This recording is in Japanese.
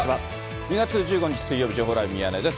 ２月１５日水曜日、情報ライブミヤネ屋です。